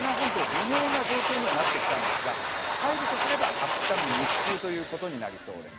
微妙な状況になってきたんですが、入るとすれば明日の日中ということになりそうです。